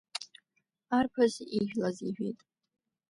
Арԥыс ижәлаз иҳәеит.